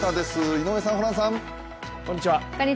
井上さん、ホランさん。